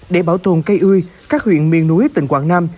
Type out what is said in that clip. để bảo tồn cây ươi các huyện miền núi tỉnh quảng nam